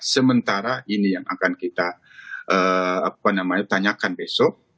sementara ini yang akan kita tanyakan besok